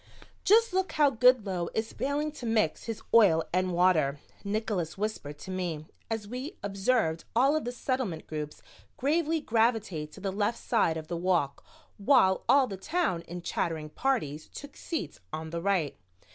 "Just look how Goodloe is failing to mix his oil and water," Nickols whispered to me, as we observed all of the Settlement groups gravely gravitate to the left side of the walk while all the Town in chattering parties took seats on the right.